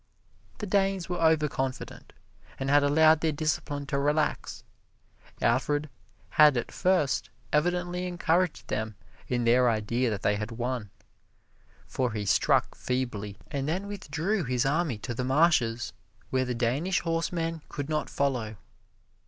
The Danes were overconfident, and had allowed their discipline to relax. Alfred had at first evidently encouraged them in their idea that they had won, for he struck feebly and then withdrew his army to the marshes, where the Danish horsemen could not follow.